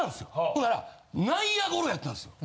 ほんなら内野ゴロやったんですよ。